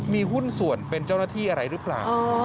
มีหุ้นส่วนเป็นเจ้าหน้าที่อะไรหรือเปล่า